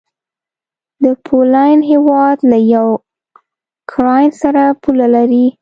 د پولينډ هيواد له یوکراین سره پوله لري.